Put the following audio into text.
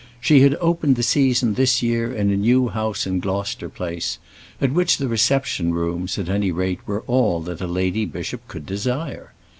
She had opened the season this year in a new house in Gloucester Place, at which the reception rooms, at any rate, were all that a lady bishop could desire.